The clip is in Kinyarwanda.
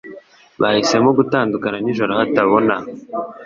Bahisemo gutandukana nijoro hatabona